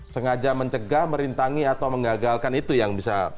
sengaja mencegah merintangi atau menggagalkan itu yang bisa